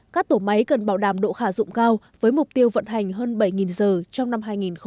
các tổ máy cần bảo đảm độ khả dụng cao với mục tiêu vận hành hơn bảy giờ trong năm hai nghìn hai mươi